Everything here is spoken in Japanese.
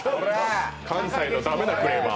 関西の駄目なクレーマー。